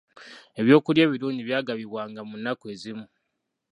Ebyokulya ebirungi byagabibwanga mu nnaku ezimu.